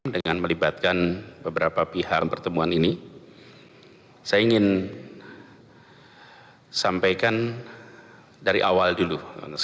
dengan melibatkan beberapa pihak pertemuan ini saya ingin sampaikan dari awal dulu